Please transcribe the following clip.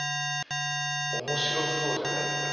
面白そうじゃないですか。